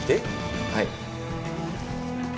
はい。